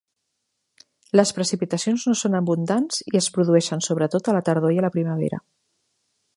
Les precipitacions no són abundants i es produeixen sobretot a la tardor i a la primavera.